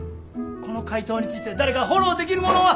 この回答について誰かフォローできる者は。